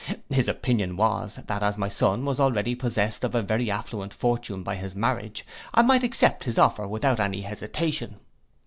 His opinion was, that as my son was already possessed of a very affluent fortune by his marriage, I might accept his offer without any hesitation.